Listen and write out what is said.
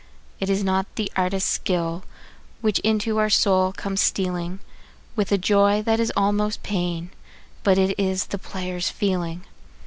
It is not the artist's skill which into our soul comes stealing With a joy that is almost pain, but it is the player's feeling.